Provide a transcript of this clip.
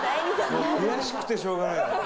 もう悔しくてしょうがない。